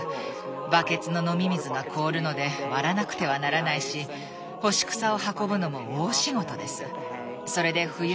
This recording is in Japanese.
バケツの飲み水が凍るので割らなくてはならないし干し草を運ぶのも大仕事です。